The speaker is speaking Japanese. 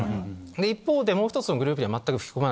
一方でもう１つのグループには全く吹き込まないと。